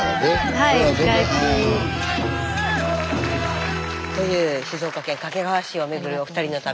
はい楽器。という静岡県掛川市を巡るお二人の旅